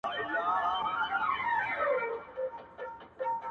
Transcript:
ته به د غم يو لوى بيابان سې گرانــــــي.